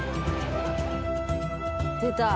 出た！